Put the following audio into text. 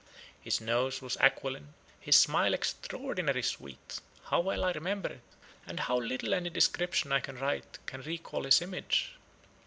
His nose was aquiline, his smile extraordinary sweet. How well I remember it, and how little any description I can write can recall his image!